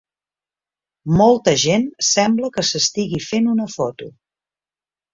Molta gent sembla que s'estigui fent una foto.